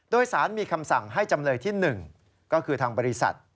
โดยสารมีคำสั่งให้จำเลยที่๑ก็คือทางบริษัท